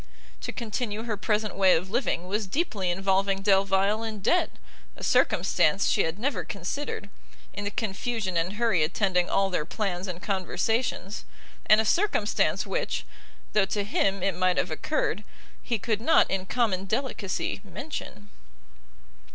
To continue her present way of living was deeply involving Delvile in debt, a circumstance she had never considered, in the confusion and hurry attending all their plans and conversations, and a circumstance which, though to him it might have occurred, he could not in common delicacy mention.